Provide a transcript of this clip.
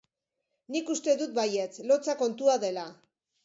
Nik uste dut baietz, lotsa kontua dela.